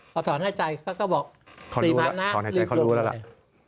พอถอนหายใจเขาก็บอกสี่พันธุ์น้ำลุงต้นเลย